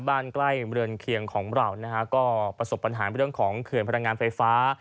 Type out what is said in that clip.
ใกล้เมืองเคียงของเรานะฮะก็ประสบปัญหาเรื่องของเขื่อนพลังงานไฟฟ้า